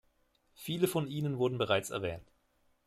Viele von ihnen wurden bereits erwähnt.